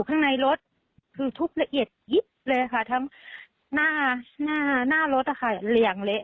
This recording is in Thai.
ข้างในรถคือทุบละเอียดเลยค่ะทั้งหน้ารถอ่ะค่ะแหล่งเละ